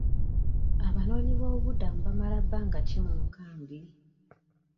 Abanoonyi b'obubudamu bamala bbanga ki mu nkambi ?